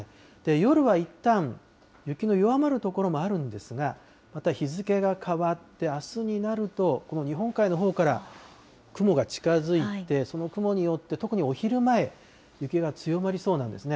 夜はいったん雪の弱まる所もあるんですが、また日付が変わって、あすになると、この日本海のほうから雲が近づいて、その雲によって特にお昼前、雪が強まりそうなんですね。